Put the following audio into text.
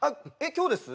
今日です？